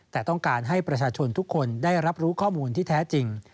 แต่ต้องการให้ประชาชนทุกคนได้รับรู้ข้อมูลที่แท้จริง